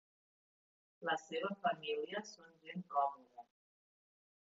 La seva família són gent còmoda.